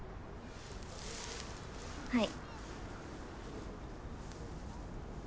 はい。